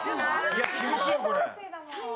厳しいよこれ。